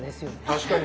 確かに。